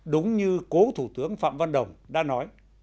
đúng như cố thủ tướng phạm văn đồng đã nói